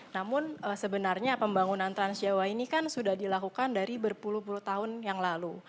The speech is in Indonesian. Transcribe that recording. namun sebenarnya pembangunan trans jawa ini kan sudah dilakukan dari berpuluh puluh tahun yang lalu